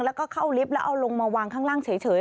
แล้วก็เข้าลิฟต์แล้วเอาลงมาวางข้างล่างเฉย